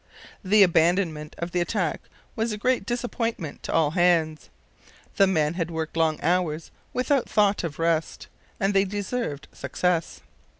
The abandonment of the attack was a great disappointment to all hands. The men had worked long hours without thought of rest, and they deserved success.